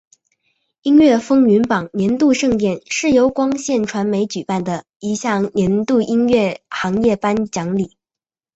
音乐风云榜年度盛典是由光线传媒举办的一项年度音乐行业颁奖礼。